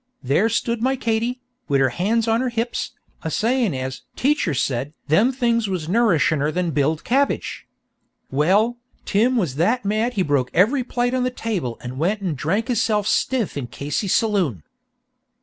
There stood my Katy, wid her han's on her hips, a sayin' as 'teacher said' them things was nourishiner than b'iled cabbage. Well, Tim was that mad he broke every plate on the table an' then went and drank hisself stiff in Casey's saloon."